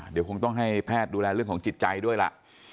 เดี๋ยวคงต้องให้แพทย์ดูแลเรื่องของจิตใจด้วยล่ะ